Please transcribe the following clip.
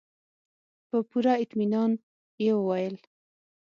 په پوره اطمينان يې وويل.